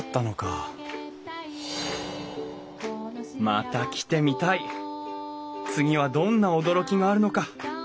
また来てみたい次はどんな驚きがあるのか。